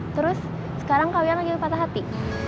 terus sekarang kalian lagi patah hati